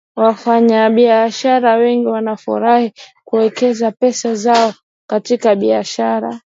wafanyabiashara wengi wanafurahi kuwekeza pesa zao katika biashara